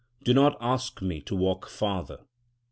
Do not ask me to walk farther.